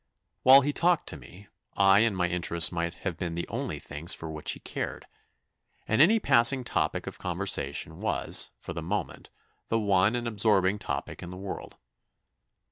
While he talked to me, I and my interests might have been the only things for which he cared; and any passing topic of conversation was, for the moment, the one and absorbing topic in the world.